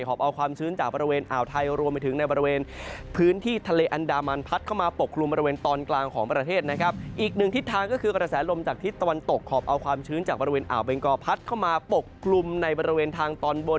ขอบเอาความชื้นจากบรรเวณอาว์ไทยรวมไปถึงในบรรเวณพื้นที่ทะเลอันดามัน